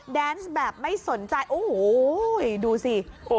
แดนซ์แบบไม่สนใจโอ้โหดูสิ